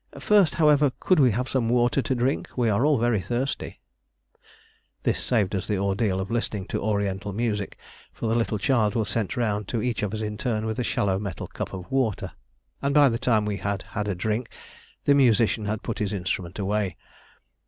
"First, however, could we have some water to drink? We are all very thirsty." This saved us the ordeal of listening to Oriental music, for the little child was sent round to each of us in turn with a shallow metal cup of water, and by the time we had had a drink the musician had put his instrument away.